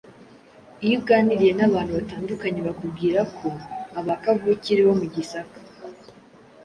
Iyo uganiriye nabantu batandukanye bakubwira ko abakavukire bo mu Gisaka